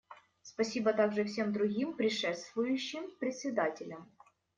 Спасибо также всем другим предшествующим председателям.